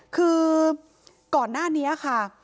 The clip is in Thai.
คือก่อนหน้านี้ค่ะ